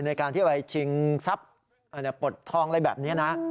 ในการที่ไปชิงทรัพย์ปลดทองอะไรแบบนี้นะ